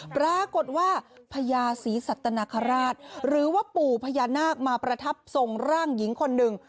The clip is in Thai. ปรากฏว่าพญาศรีสัตนคราชหรือว่าปู่พญานาคมาประทับทรงร่างหญิงคนหนึ่ง